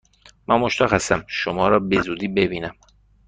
من مشتاق هستم شما را به زودی ببینم!